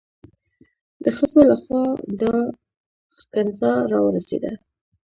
د ښځو لخوا دا ښکنځا را ورسېده.